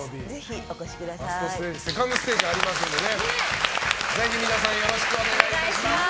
ファーストステージセカンドステージありますのでぜひ皆さんよろしくお願いします。